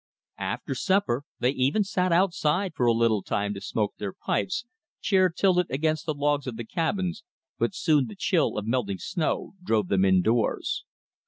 After supper they even sat outside for a little time to smoke their pipes, chair tilted against the logs of the cabins, but soon the chill of melting snow drove them indoors.